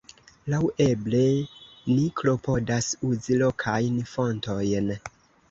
Laŭeble ni klopodas uzi lokajn fontojn.